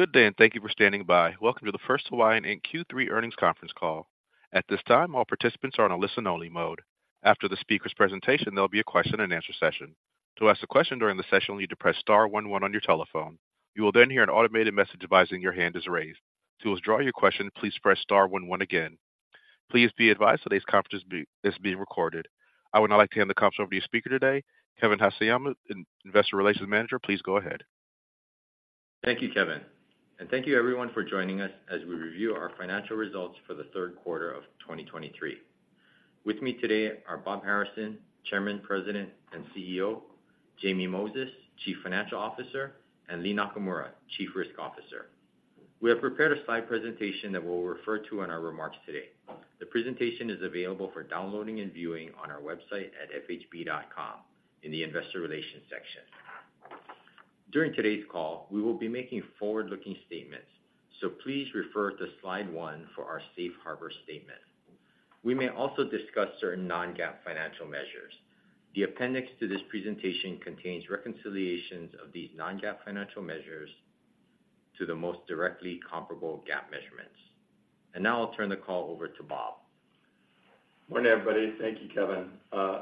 Good day, and thank you for standing by. Welcome to the First Hawaiian, Inc. Q3 Earnings Conference Call. At this time, all participants are on a listen-only mode. After the speaker's presentation, there'll be a question-and-answer session. To ask a question during the session, you'll need to press star one one on your telephone. You will then hear an automated message advising your hand is raised. To withdraw your question, please press star one one again. Please be advised, today's conference is being recorded. I would now like to hand the conference over to your speaker today, Kevin Haseyama, Investor Relations Manager. Please go ahead. Thank you, Kevin, and thank you everyone for joining us as we review our financial results for the third quarter of 2023. With me today are Bob Harrison, Chairman, President, and CEO, Jamie Moses, Chief Financial Officer, and Lee Nakamura, Chief Risk Officer. We have prepared a slide presentation that we'll refer to in our remarks today. The presentation is available for downloading and viewing on our website at fhb.com in the Investor Relations section. During today's call, we will be making forward-looking statements, so please refer to slide 1 for our safe harbor statement. We may also discuss certain non-GAAP financial measures. The appendix to this presentation contains reconciliations of these non-GAAP financial measures to the most directly comparable GAAP measurements. Now I'll turn the call over to Bob. Morning, everybody. Thank you, Kevin.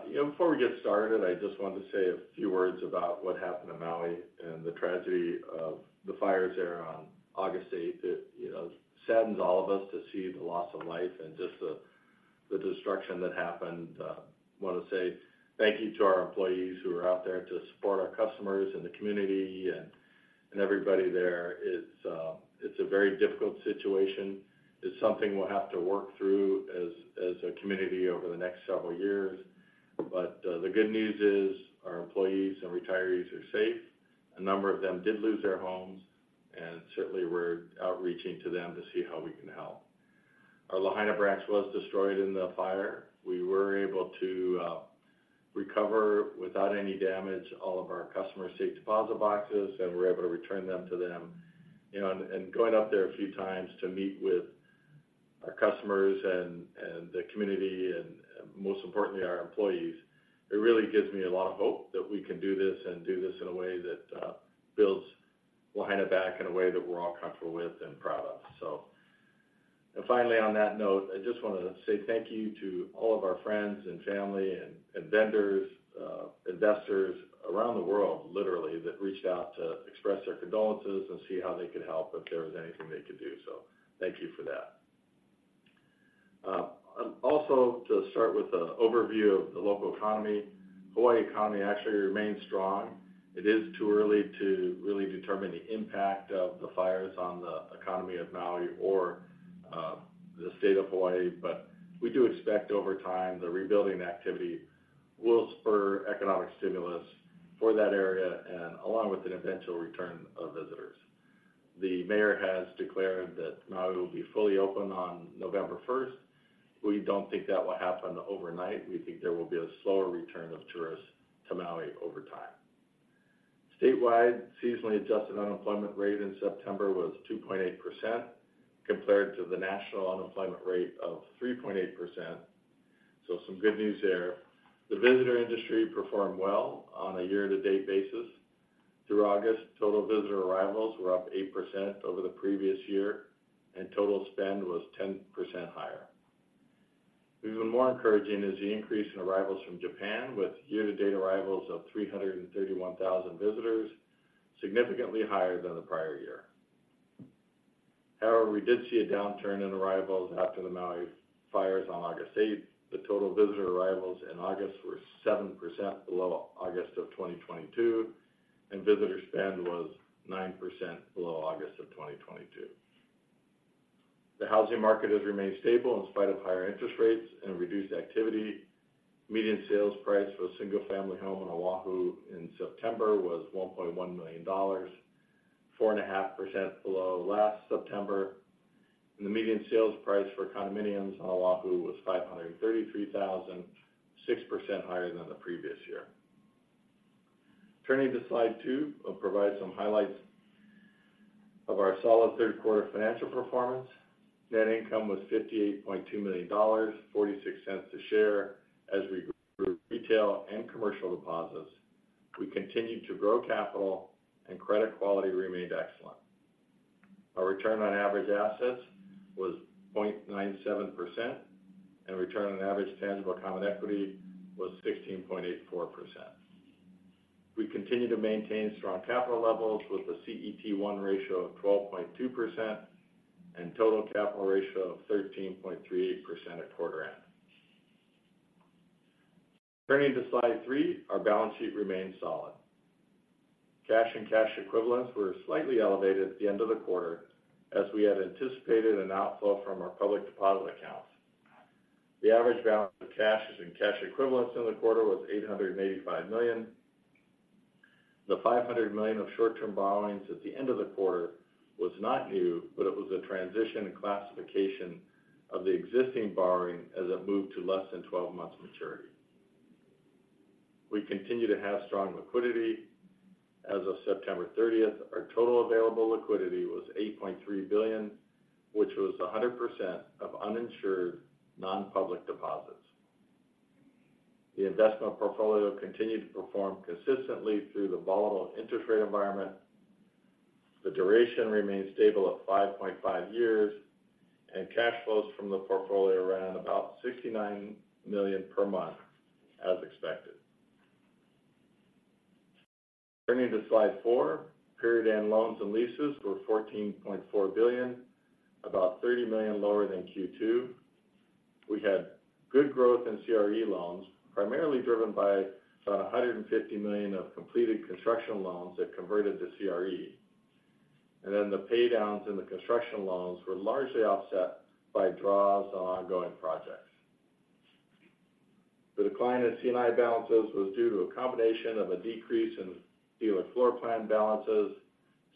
You know, before we get started, I just wanted to say a few words about what happened in Maui and the tragedy of the fires there on August 8th. It, you know, saddens all of us to see the loss of life and just the destruction that happened. I want to say thank you to our employees who are out there to support our customers and the community and everybody there. It's a very difficult situation. It's something we'll have to work through as a community over the next several years. But, the good news is our employees and retirees are safe. A number of them did lose their homes, and certainly we're outreaching to them to see how we can help. Our Lahaina branch was destroyed in the fire. We were able to, recover without any damage, all of our customer's safe deposit boxes, and we're able to return them to them. You know, and, and going up there a few times to meet with our customers and, and the community and, and most importantly, our employees, it really gives me a lot of hope that we can do this and do this in a way that, builds Lahaina back in a way that we're all comfortable with and proud of, so. And finally, on that note, I just want to say thank you to all of our friends and family and, and vendors, investors around the world, literally, that reached out to express their condolences and see how they could help if there was anything they could do. So thank you for that. And also, to start with an overview of the local economy. Hawaii economy actually remains strong. It is too early to really determine the impact of the fires on the economy of Maui or the state of Hawaii, but we do expect over time, the rebuilding activity will spur economic stimulus for that area and along with an eventual return of visitors. The mayor has declared that Maui will be fully open on November first. We don't think that will happen overnight. We think there will be a slower return of tourists to Maui over time. Statewide, seasonally adjusted unemployment rate in September was 2.8%, compared to the national unemployment rate of 3.8%. So some good news there. The visitor industry performed well on a year-to-date basis. Through August, total visitor arrivals were up 8% over the previous year, and total spend was 10% higher. Even more encouraging is the increase in arrivals from Japan, with year-to-date arrivals of 331,000 visitors, significantly higher than the prior year. However, we did see a downturn in arrivals after the Maui fires on August eighth. The total visitor arrivals in August were 7% below August of 2022, and visitor spend was 9% below August of 2022. The housing market has remained stable in spite of higher interest rates and reduced activity. Median sales price for a single-family home in Oahu in September was $1.1 million, 4.5% below last September, and the median sales price for condominiums in Oahu was $533,000, 6% higher than the previous year. Turning to slide two, I'll provide some highlights of our solid third quarter financial performance. Net income was $58.2 million, 46 cents a share, as we grew retail and commercial deposits. We continued to grow capital, and credit quality remained excellent. Our return on average assets was 0.97%, and return on average tangible common equity was 16.84%. We continue to maintain strong capital levels with a CET1 ratio of 12.2% and total capital ratio of 13.3% at quarter end. Turning to slide three, our balance sheet remains solid. Cash and cash equivalents were slightly elevated at the end of the quarter as we had anticipated an outflow from our public deposit accounts. The average balance of cash and cash equivalents in the quarter was $885 million. The $500 million of short-term borrowings at the end of the quarter was not new, but it was a transition and classification of the existing borrowing as it moved to less than 12 months maturity. We continue to have strong liquidity. As of September 30th, our total available liquidity was $8.3 billion, which was 100% of uninsured non-public deposits. The investment portfolio continued to perform consistently through the volatile interest rate environment. The duration remained stable at 5.5 years, and cash flows from the portfolio ran about $69 million per month, as expected. Turning to slide four, period-end loans and leases were $14.4 billion, about $30 million lower than Q2. We had good growth in CRE loans, primarily driven by about $150 million of completed construction loans that converted to CRE. The paydowns in the construction loans were largely offset by draws on ongoing projects. The decline in C&I balances was due to a combination of a decrease in dealer floor plan balances,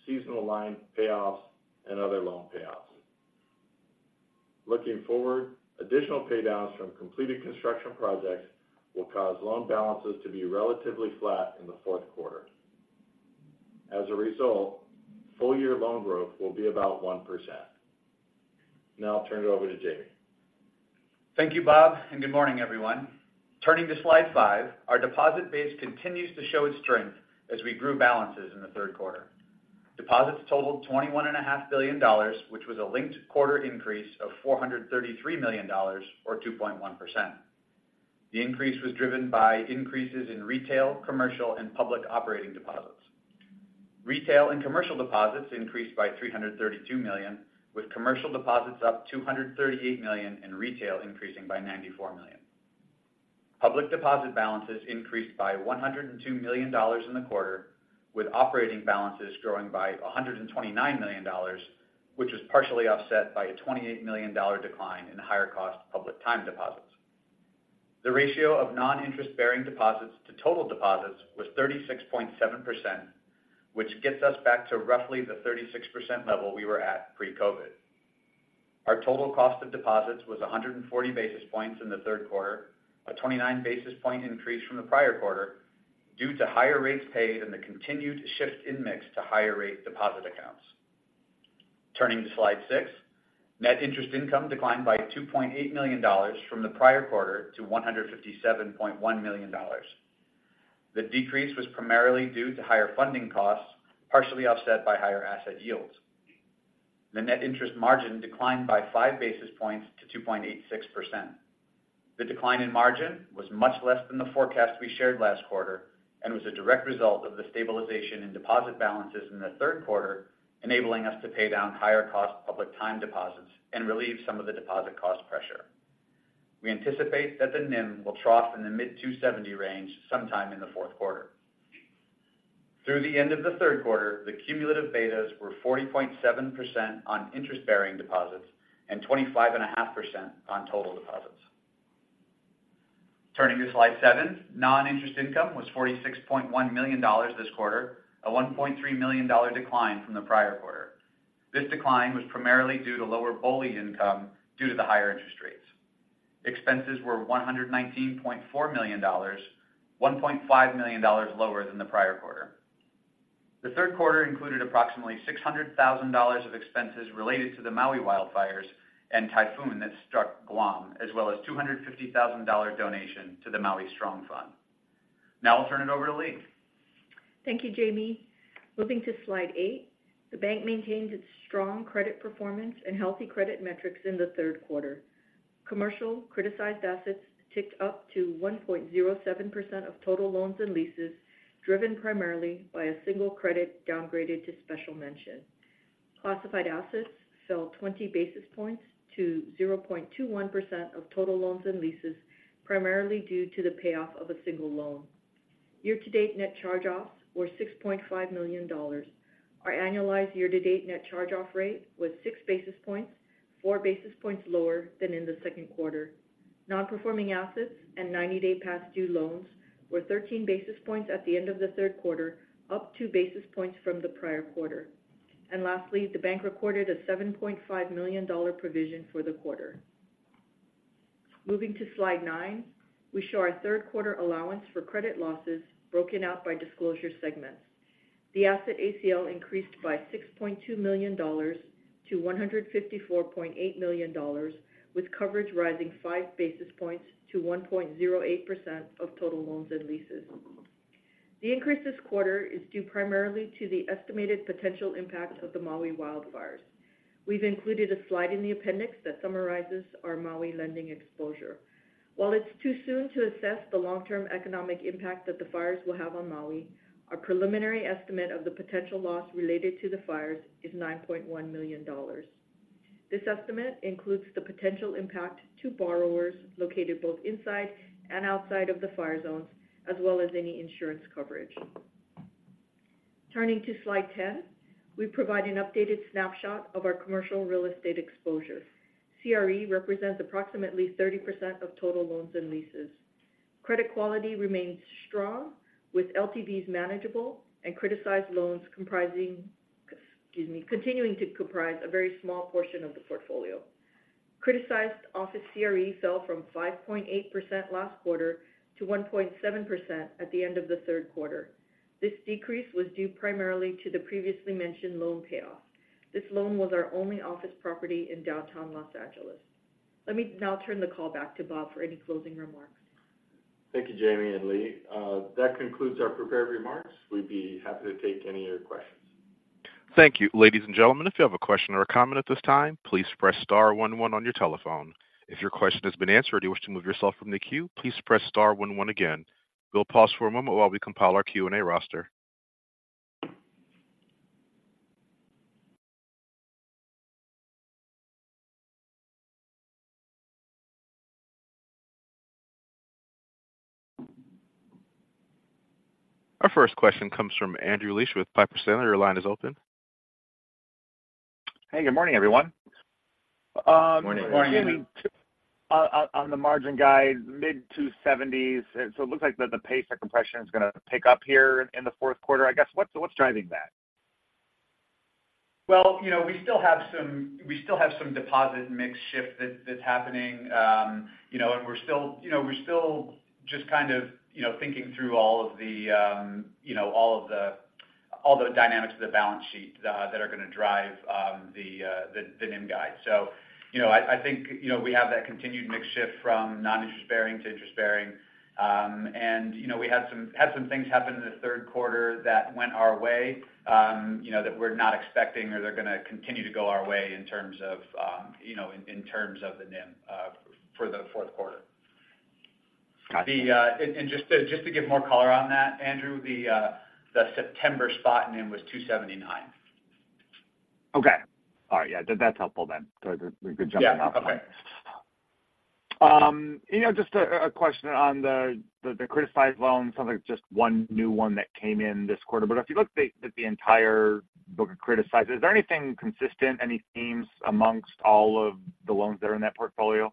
seasonal line payoffs, and other loan payoffs. Looking forward, additional paydowns from completed construction projects will cause loan balances to be relatively flat in the fourth quarter. As a result, full year loan growth will be about 1%. Now I'll turn it over to Jamie. Thank you, Bob, and good morning, everyone. Turning to slide five, our deposit base continues to show its strength as we grew balances in the third quarter. Deposits totaled $21.5 billion, which was a linked quarter increase of $433 million, or 2.1%. The increase was driven by increases in retail, commercial, and public operating deposits. Retail and commercial deposits increased by $332 million, with commercial deposits up $238 million, and retail increasing by $94 million. Public deposit balances increased by $102 million in the quarter, with operating balances growing by $129 million, which was partially offset by a $28 million dollar decline in higher cost public time deposits. The ratio of non-interest bearing deposits to total deposits was 36.7%, which gets us back to roughly the 36% level we were at pre-COVID. Our total cost of deposits was 140 basis points in the third quarter, a 29 basis point increase from the prior quarter, due to higher rates paid and the continued shift in mix to higher rate deposit accounts. Turning to slide six, net interest income declined by $2.8 million from the prior quarter to $157.1 million. The decrease was primarily due to higher funding costs, partially offset by higher asset yields. The net interest margin declined by 5 basis points to 2.86%. The decline in margin was much less than the forecast we shared last quarter and was a direct result of the stabilization in deposit balances in the third quarter, enabling us to pay down higher cost public time deposits and relieve some of the deposit cost pressure. We anticipate that the NIM will trough in the mid 2.70 range sometime in the fourth quarter. Through the end of the third quarter, the cumulative betas were 40.7% on interest-bearing deposits and 25.5% on total deposits. Turning to slide seven, non-interest income was $46.1 million this quarter, a $1.3 million decline from the prior quarter. This decline was primarily due to lower BOLI income due to the higher interest rates. Expenses were $119.4 million, $1.5 million lower than the prior quarter. The third quarter included approximately $600,000 of expenses related to the Maui wildfires and typhoon that struck Guam, as well as $250,000 donation to the Maui Strong Fund. Now I'll turn it over to Lee. Thank you, Jamie. Moving to slide eight, the bank maintained its strong credit performance and healthy credit metrics in the third quarter. Commercial criticized assets ticked up to 1.07% of total loans and leases, driven primarily by a single credit downgraded to special mention. Classified assets fell 20 basis points to 0.21% of total loans and leases, primarily due to the payoff of a single loan. Year-to-date net charge-offs were $6.5 million. Our annualized year-to-date net charge-off rate was six basis points, four basis points lower than in the second quarter. Non-performing assets and ninety-day past due loans were 13 basis points at the end of the third quarter, up two basis points from the prior quarter. And lastly, the bank recorded a $7.5 million dollar provision for the quarter. Moving to slide nine, we show our third quarter allowance for credit losses broken out by disclosure segments. The asset ACL increased by $6.2 million-$154.8 million, with coverage rising five basis points to 1.08% of total loans and leases. The increase this quarter is due primarily to the estimated potential impact of the Maui wildfires. We've included a slide in the appendix that summarizes our Maui lending exposure. While it's too soon to assess the long-term economic impact that the fires will have on Maui, our preliminary estimate of the potential loss related to the fires is $9.1 million. This estimate includes the potential impact to borrowers located both inside and outside of the fire zones, as well as any insurance coverage. Turning to slide 10, we provide an updated snapshot of our commercial real estate exposure. CRE represents approximately 30% of total loans and leases. Credit quality remains strong, with LTVs manageable and criticized loans comprising, excuse me, continuing to comprise a very small portion of the portfolio. Criticized office CRE fell from 5.8% last quarter to 1.7% at the end of the third quarter. This decrease was due primarily to the previously mentioned loan payoff.... This loan was our only office property in downtown Los Angeles. Let me now turn the call back to Bob for any closing remarks. Thank you, Jamie and Lee. That concludes our prepared remarks. We'd be happy to take any of your questions. Thank you. Ladies and gentlemen, if you have a question or a comment at this time, please press star one, one on your telephone. If your question has been answered, or you wish to move yourself from the queue, please press star one, one again. We'll pause for a moment while we compile our Q&A roster. Our first question comes from Andrew Liesch with Piper Sandler. Your line is open. Hey, good morning, everyone. Morning. Morning. On the margin guide, mid-270s. So it looks like the pace of compression is going to pick up here in the fourth quarter. I guess, what's driving that? Well, you know, we still have some, we still have some deposit mix shift that's happening. You know, we're still, you know, we're still just kind of, you know, thinking through all of the, you know, all of the, all the dynamics of the balance sheet that are going to drive the NIM guide. You know, I think, you know, we have that continued mix shift from non-interest bearing to interest bearing. You know, we had some, had some things happen in the third quarter that went our way, you know, that we're not expecting or they're going to continue to go our way in terms of, you know, in terms of the NIM for the fourth quarter. Got it. And just to give more color on that, Andrew, the September spot NIM was 279. Okay. All right. Yeah, that's helpful then. So we could jump in. Yeah. Okay. You know, just a question on the criticized loans, sounds like just one new one that came in this quarter. But if you look at the entire book of criticized, is there anything consistent, any themes amongst all of the loans that are in that portfolio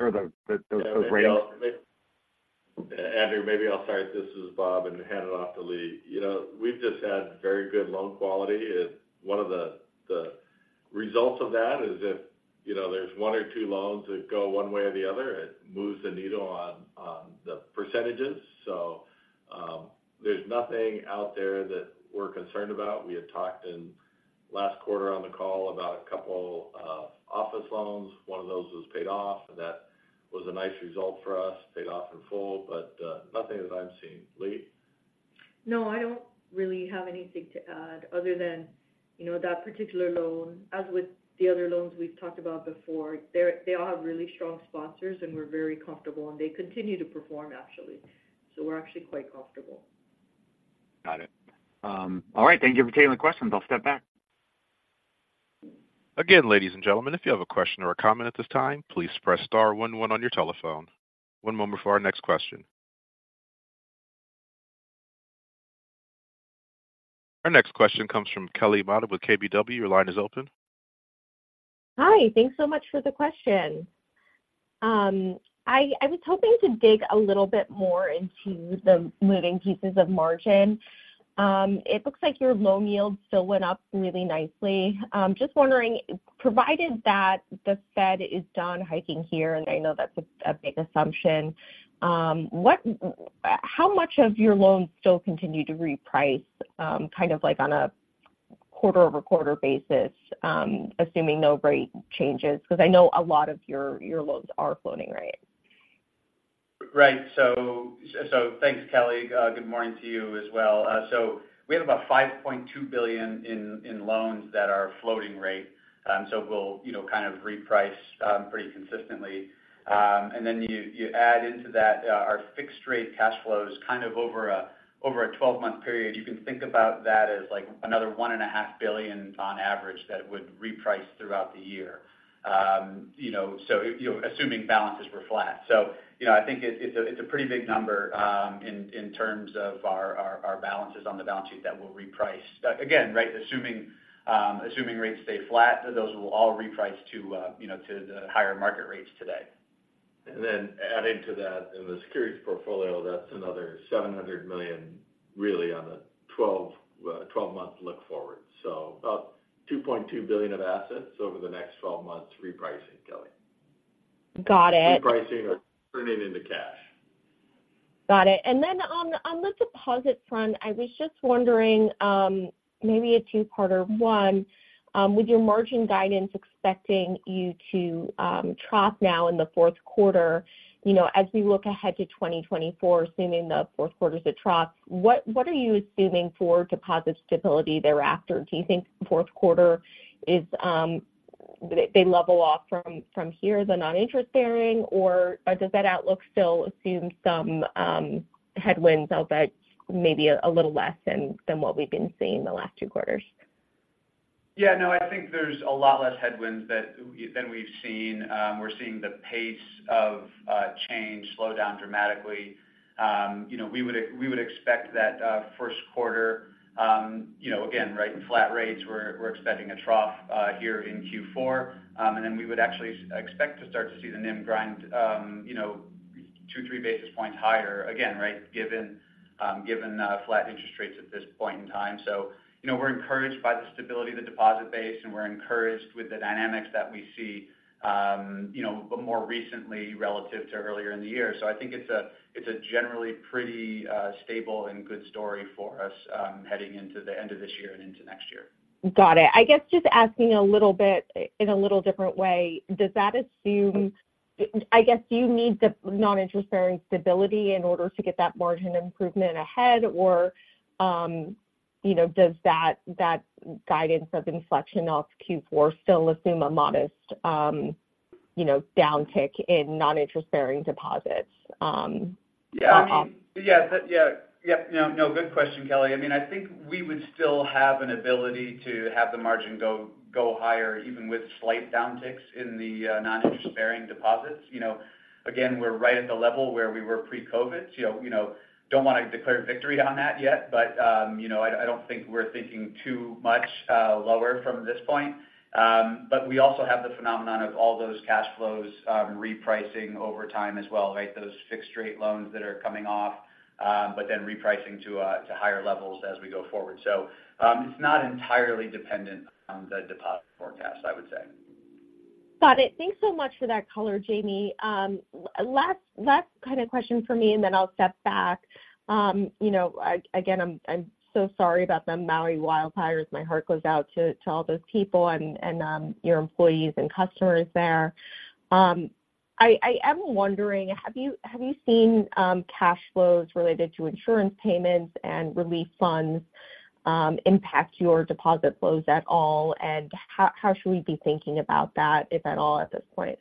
or those rates? Andrew, maybe I'll start. This is Bob, and hand it off to Lee. You know, we've just had very good loan quality, and one of the, the results of that is if, you know, there's one or two loans that go one way or the other, it moves the needle on, on the percentages. So, there's nothing out there that we're concerned about. We had talked in last quarter on the call about a couple, office loans. One of those was paid off, and that was a nice result for us, paid off in full, but, nothing that I'm seeing. Lee? No, I don't really have anything to add other than, you know, that particular loan, as with the other loans we've talked about before, they all have really strong sponsors, and we're very comfortable, and they continue to perform actually. So we're actually quite comfortable. Got it. All right, thank you for taking the question. I'll step back. Again, ladies and gentlemen, if you have a question or a comment at this time, please press star one, one on your telephone. One moment for our next question. Our next question comes from Kelly Motta with KBW. Your line is open. Hi, thanks so much for the question. I was hoping to dig a little bit more into the moving pieces of margin. It looks like your loan yields still went up really nicely. Just wondering, provided that the Fed is done hiking here, and I know that's a big assumption, what - how much of your loans still continue to reprice, kind of like on a quarter-over-quarter basis, assuming no rate changes? Because I know a lot of your loans are floating rate. Right. So, thanks, Kelly. Good morning to you as well. So we have about $5.2 billion in loans that are floating rate. So we'll, you know, kind of reprice pretty consistently. And then you add into that, our fixed rate cash flows kind of over a 12-month period. You can think about that as like another $1.5 billion on average that would reprice throughout the year. So, you know, assuming balances were flat. So you know, I think it's a pretty big number, in terms of our balances on the balance sheet that will reprice. Again, right, assuming rates stay flat, those will all reprice to the higher market rates today. And then adding to that, in the securities portfolio, that's another $700 million, really on a 12-month look forward. So about $2.2 billion of assets over the next 12 months repricing, Kelly. Got it. Repricing or turning into cash. Got it. And then on the deposit front, I was just wondering, maybe a two-parter. One, with your margin guidance expecting you to trough now in the fourth quarter, you know, as we look ahead to 2024, assuming the fourth quarter is a trough, what are you assuming for deposit stability thereafter? Do you think fourth quarter is they level off from here, the non-interest bearing, or does that outlook still assume some headwinds, although maybe a little less than what we've been seeing the last two quarters? Yeah, no, I think there's a lot less headwinds than we've seen. We're seeing the pace of change slow down dramatically. You know, we would expect that first quarter, you know, again, right, flat rates, we're expecting a trough here in Q4. And then we would actually expect to start to see the NIM grind two, three basis points higher, again, right? Given flat interest rates at this point in time. So, you know, we're encouraged by the stability of the deposit base, and we're encouraged with the dynamics that we see, you know, but more recently relative to earlier in the year. So I think it's a generally pretty stable and good story for us heading into the end of this year and into next year. Got it. I guess just asking a little bit in a little different way, does that assume, I guess, do you need the non-interest-bearing stability in order to get that margin improvement ahead? Or, you know, does that, that guidance of inflection off Q4 still assume a modest, you know, downtick in non-interest-bearing deposits? Yeah. Yes, yeah, yep, you know, no, good question, Kelly. I mean, I think we would still have an ability to have the margin go, go higher, even with slight downticks in the non-interest-bearing deposits. You know, again, we're right at the level where we were pre-COVID. So, you know, don't want to declare victory on that yet, but, you know, I don't think we're thinking too much lower from this point. But we also have the phenomenon of all those cash flows repricing over time as well, right? Those fixed-rate loans that are coming off, but then repricing to higher levels as we go forward. So, it's not entirely dependent on the deposit forecast, I would say. Got it. Thanks so much for that color, Jamie. Last kind of question for me, and then I'll step back. You know, again, I'm so sorry about the Maui wildfires. My heart goes out to all those people and your employees and customers there. I am wondering, have you seen cash flows related to insurance payments and relief funds impact your deposit flows at all? And how should we be thinking about that, if at all, at this point?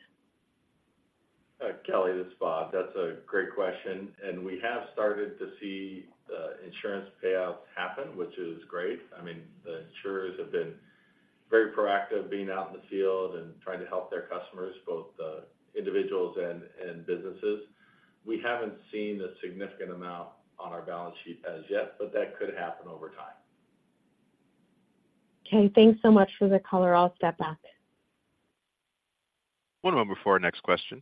Kelly, this is Bob. That's a great question, and we have started to see insurance payouts happen, which is great. I mean, the insurers have been very proactive being out in the field and trying to help their customers, both the individuals and, and businesses. We haven't seen a significant amount on our balance sheet as yet, but that could happen over time. Okay, thanks so much for the color. I'll step back. One moment before our next question.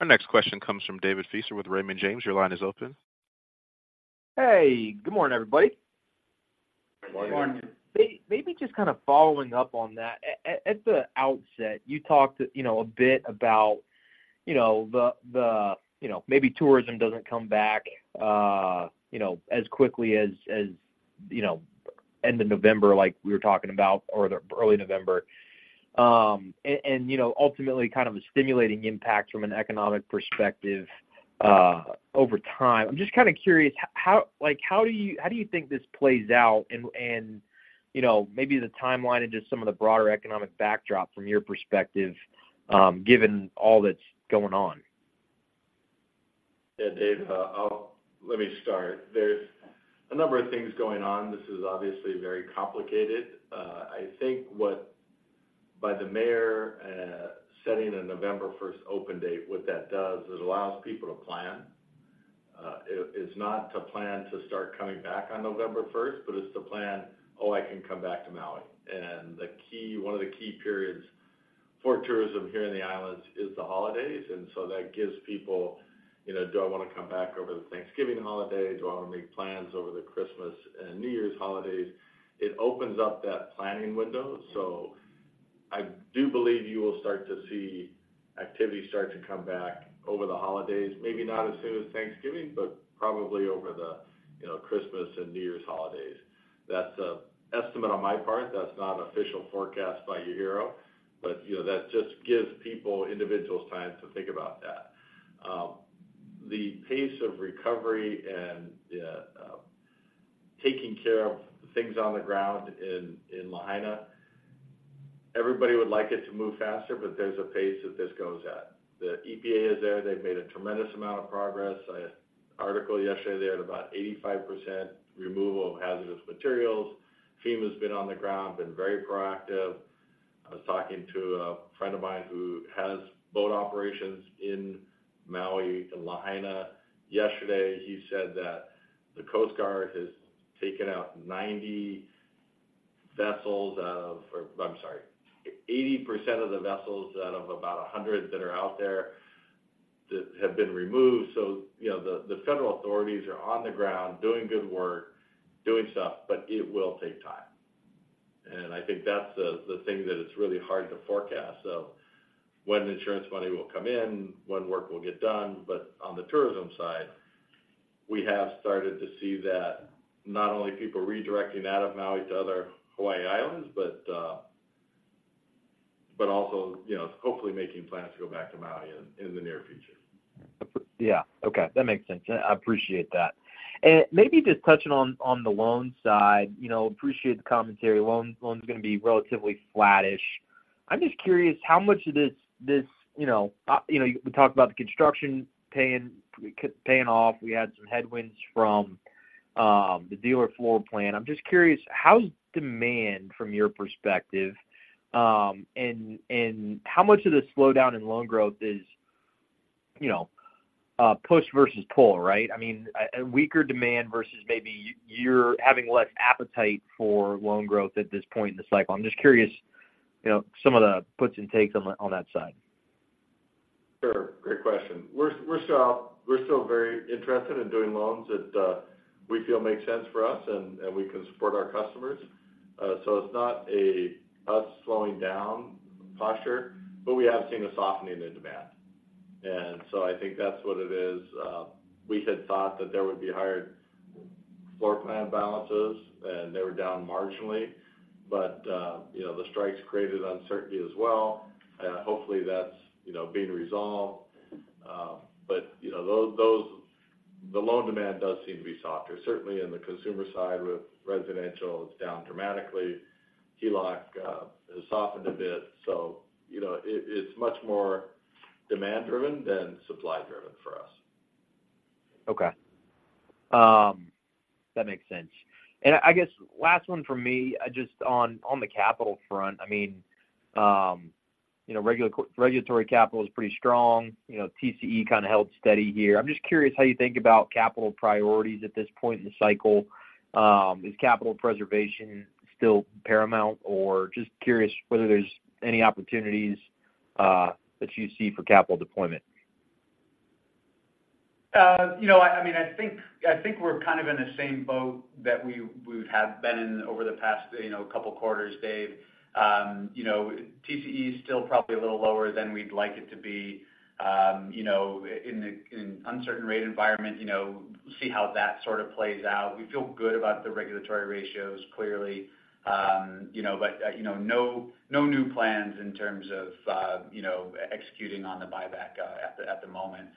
Our next question comes from David Feaster with Raymond James. Your line is open. Hey, good morning, everybody. Good morning. Good morning. Maybe just kind of following up on that. At the outset, you talked, you know, a bit about, you know, the, you know, maybe tourism doesn't come back, you know, as quickly as, you know, end of November, like we were talking about or the early November. And, you know, ultimately kind of a stimulating impact from an economic perspective, over time. I'm just kind of curious, how—like, how do you, how do you think this plays out and, you know, maybe the timeline and just some of the broader economic backdrop from your perspective, given all that's going on? Yeah, Dave, I'll let me start. There's a number of things going on. This is obviously very complicated. I think what by the mayor setting a November first open date, what that does, it allows people to plan. It, it's not to plan to start coming back on November first, but it's to plan, "Oh, I can come back to Maui." And the key one of the key periods for tourism here in the islands is the holidays, and so that gives people, you know, do I want to come back over the Thanksgiving holiday? Do I want to make plans over the Christmas and New Year's holidays? It opens up that planning window. So I do believe you will start to see activity start to come back over the holidays, maybe not as soon as Thanksgiving, but probably over the, you know, Christmas and New Year's holidays. That's an estimate on my part. That's not an official forecast by UHERO, but, you know, that just gives people, individuals, time to think about that. The pace of recovery and the taking care of things on the ground in Lahaina, everybody would like it to move faster, but there's a pace that this goes at. The EPA is there. They've made a tremendous amount of progress. I saw an article yesterday, they had about 85% removal of hazardous materials. FEMA has been on the ground, been very proactive. I was talking to a friend of mine who has boat operations in Maui, in Lahaina. Yesterday, he said that the Coast Guard has taken out 90 vessels out of... or I'm sorry, 80% of the vessels out of about 100 that are out there, that have been removed. So you know, the federal authorities are on the ground doing good work, doing stuff, but it will take time. And I think that's the thing that it's really hard to forecast. So when insurance money will come in, when work will get done. But on the tourism side, we have started to see that not only people redirecting out of Maui to other Hawaii Islands, but, but also, you know, hopefully making plans to go back to Maui in the near future. Yeah. Okay, that makes sense. I appreciate that. And maybe just touching on, on the loan side, you know, appreciate the commentary. Loans, loans are going to be relatively flattish. I'm just curious how much of this, you know, we talked about the construction paying off. We had some headwinds from, the dealer floor plan. I'm just curious, how is demand from your perspective? And, how much of the slowdown in loan growth is, you know, push versus pull, right? I mean, a weaker demand versus maybe you're having less appetite for loan growth at this point in the cycle. I'm just curious, you know, some of the puts and takes on, on that side. Sure. Great question. We're still very interested in doing loans that we feel make sense for us, and we can support our customers. So it's not us slowing down posture, but we have seen a softening in demand. And so I think that's what it is. We had thought that there would be higher floor plan balances, and they were down marginally. But you know, the strikes created uncertainty as well. And hopefully, that's you know, being resolved. But you know, those the loan demand does seem to be softer, certainly in the consumer side, with residential, it's down dramatically. HELOC has softened a bit, so you know, it it's much more demand-driven than supply-driven for us. Okay. That makes sense. I guess last one from me, just on, on the capital front. I mean, you know, regulatory capital is pretty strong. You know, TCE kind of held steady here. I'm just curious how you think about capital priorities at this point in the cycle. Is capital preservation still paramount, or just curious whether there's any opportunities that you see for capital deployment? You know, I mean, I think we're kind of in the same boat that we have been in over the past couple quarters, Dave. You know, TCE is still probably a little lower than we'd like it to be. You know, in the uncertain rate environment, you know, we'll see how that sort of plays out. We feel good about the regulatory ratios, clearly. You know, but, you know, no new plans in terms of, you know, executing on the buyback at the moment.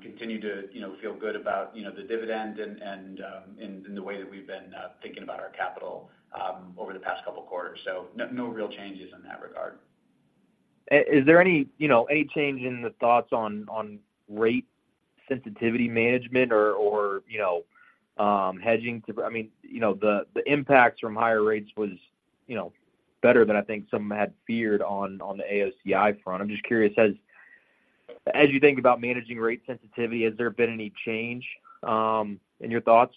Continue to, you know, feel good about, you know, the dividend and the way that we've been thinking about our capital over the past couple of quarters. No real changes in that regard. Is there any, you know, any change in the thoughts on rate sensitivity management or, you know, hedging, I mean, you know, the impacts from higher rates was, you know, better than I think some had feared on the AOCI front. I'm just curious, as you think about managing rate sensitivity, has there been any change in your thoughts?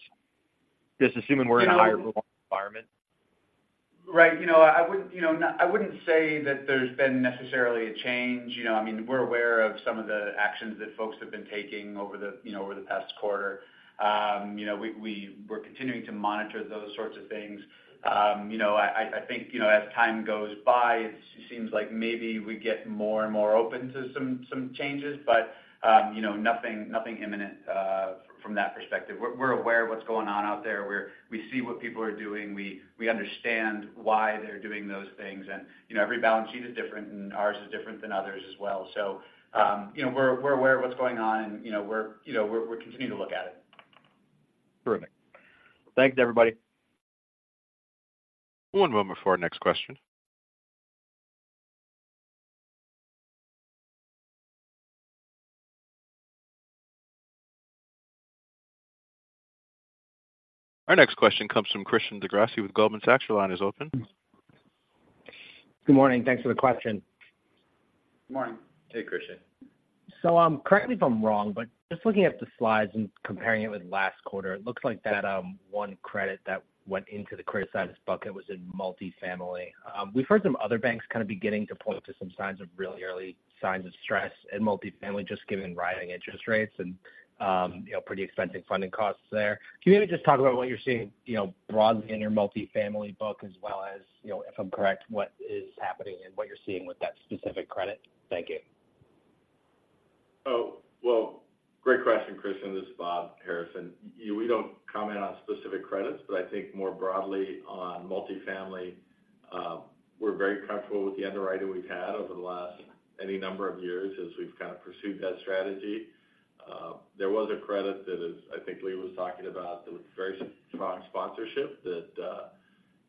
Just assuming we're in a higher environment. Right. You know, I wouldn't, you know, not, I wouldn't say that there's been necessarily a change. You know, I mean, we're aware of some of the actions that folks have been taking over the, you know, over the past quarter. You know, we're continuing to monitor those sorts of things. You know, I think, you know, as time goes by, it seems like maybe we get more and more open to some changes, but, you know, nothing imminent from that perspective. We're aware of what's going on out there. We see what people are doing. We understand why they're doing those things. And, you know, every balance sheet is different, and ours is different than others as well. So, you know, we're aware of what's going on, and you know, we're continuing to look at it. Perfect. Thanks, everybody. One moment for our next question. Our next question comes from Christian DeGrasse with Goldman Sachs. Your line is open. Good morning. Thanks for the question. Good morning. Hey, Christian. So, correct me if I'm wrong, but just looking at the slides and comparing it with last quarter, it looks like that one credit that went into the criticized bucket was in multifamily. We've heard some other banks kind of beginning to point to some signs of really early signs of stress in multifamily, just given rising interest rates and, you know, pretty expensive funding costs there. Can you maybe just talk about what you're seeing, you know, broadly in your multifamily book, as well as, you know, if I'm correct, what is happening and what you're seeing with that specific credit? Thank you. Oh, well, great question, Christian. This is Bob Harrison. We don't comment on specific credits, but I think more broadly on multifamily, we're very comfortable with the underwriting we've had over the last any number of years as we've kind of pursued that strategy. There was a credit that is, I think Lee was talking about, that was very strong sponsorship that,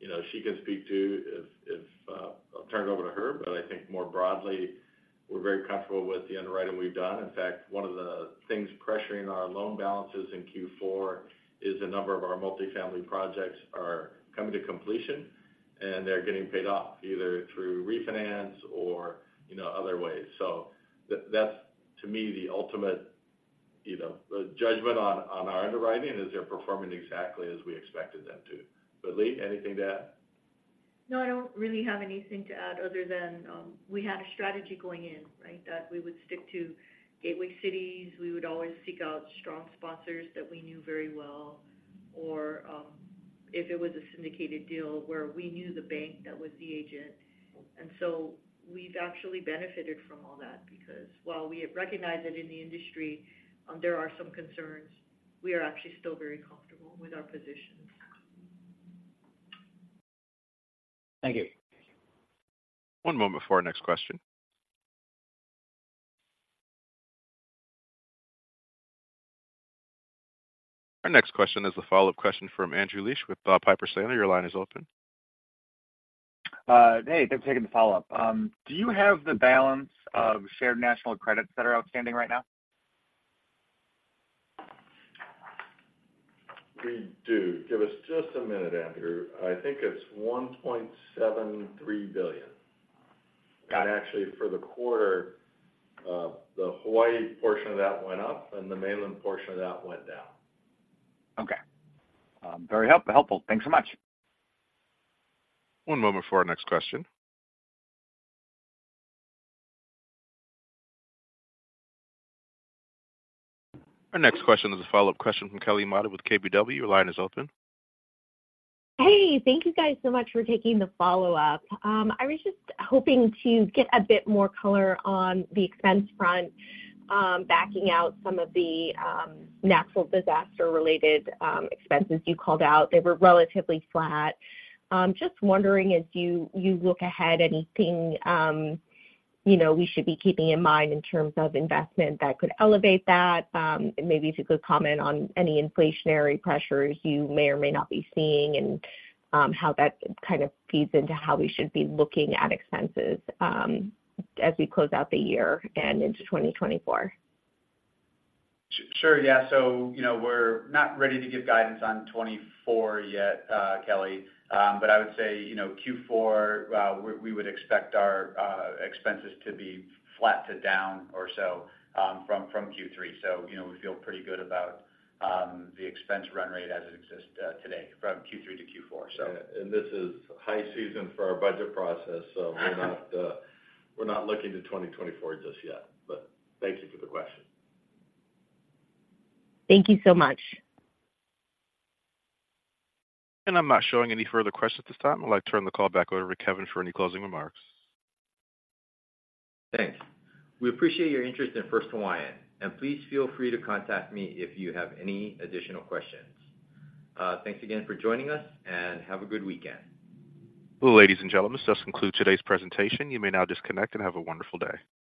you know, she can speak to if, if, I'll turn it over to her. But I think more broadly, we're very comfortable with the underwriting we've done. In fact, one of the things pressuring our loan balances in Q4 is a number of our multifamily projects are coming to completion, and they're getting paid off, either through refinance or, you know, other ways. So that's, to me, the ultimate, you know, judgment on our underwriting, is they're performing exactly as we expected them to. But Lee, anything to add? No, I don't really have anything to add other than, we had a strategy going in, right? That we would stick to gateway cities. We would always seek out strong sponsors that we knew very well, or, if it was a syndicated deal where we knew the bank, that was the agent. And so we've actually benefited from all that, because while we recognize that in the industry, there are some concerns, we are actually still very comfortable with our position. Thank you. One moment before our next question. Our next question is a follow-up question from Andrew Liesch with Piper Sandler. Your line is open. Hey, thanks for taking the follow-up. Do you have the balance of Shared National Credits that are outstanding right now? ... We do. Give us just a minute, Andrew. I think it's $1.73 billion. And actually, for the quarter, the Hawaii portion of that went up, and the mainland portion of that went down. Okay. Very helpful. Thanks so much. One moment before our next question. Our next question is a follow-up question from Kelly Motta with KBW. Your line is open. Hey, thank you guys so much for taking the follow-up. I was just hoping to get a bit more color on the expense front, backing out some of the natural disaster-related expenses you called out. They were relatively flat. Just wondering, as you look ahead, anything you know we should be keeping in mind in terms of investment that could elevate that? And maybe if you could comment on any inflationary pressures you may or may not be seeing, and how that kind of feeds into how we should be looking at expenses as we close out the year and into 2024. Sure. Yeah. So, you know, we're not ready to give guidance on 2024 yet, Kelly. But I would say, you know, Q4, we would expect our expenses to be flat to down or so, from Q3. So, you know, we feel pretty good about the expense run rate as it exists today from Q3 to Q4, so. Yeah, and this is high season for our budget process, so we're not, we're not looking to 2024 just yet. But thank you for the question. Thank you so much. I'm not showing any further questions at this time. I'd like to turn the call back over to Kevin for any closing remarks. Thanks. We appreciate your interest in First Hawaiian, and please feel free to contact me if you have any additional questions. Thanks again for joining us, and have a good weekend. Ladies and gentlemen, this does conclude today's presentation. You may now disconnect and have a wonderful day.